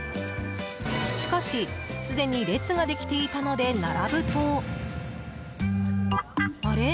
しかし、すでに列ができていたので並ぶとあれ？